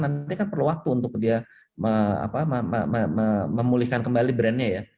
nanti kan perlu waktu untuk dia memulihkan kembali brandnya ya